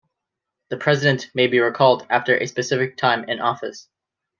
The president may be recalled after a specific time in office.